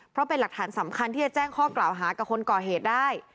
เพราะเป็นหลักฐานสำคัญที่จะแจ้งข้อกล่าวหากับคนก่อเหตุได้